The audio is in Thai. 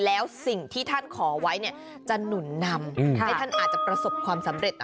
แล้วสิ่งที่ท่านขอไว้จะหนุนนำให้ท่านอาจจะประสบความสำเร็จ